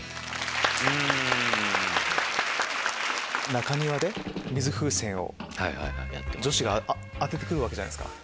中庭で水風船を女子が当ててくるわけじゃないですか。